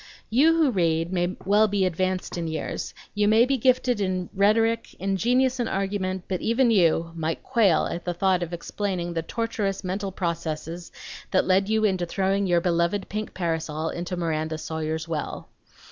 You who read may be well advanced in years, you may be gifted in rhetoric, ingenious in argument; but even you might quail at the thought of explaining the tortuous mental processes that led you into throwing your beloved pink parasol into Miranda Sawyer's well.